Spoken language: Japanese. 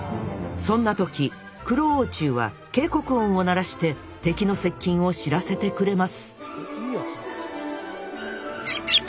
そんな時クロオウチュウは警告音を鳴らして敵の接近を知らせてくれますいいやつだ。